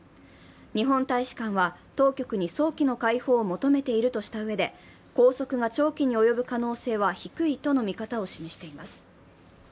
日本大使館は、当局に早期の解放を求めているとしたうえで、拘束が長期に及ぶ可能性は低いとの見方を示しています。